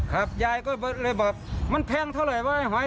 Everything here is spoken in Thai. ครับยายก็เลยบอกมันแพงเท่าไหร่วะไอหอย